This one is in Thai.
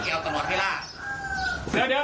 เปิดหน่อยแม่มันมุ่ง